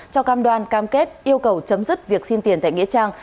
cho cam đoan cam kết yêu cầu chấm dứt việc xin tiền tại nghĩa trang